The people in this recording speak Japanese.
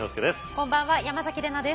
こんばんは山崎怜奈です。